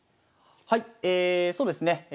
はいえそうですね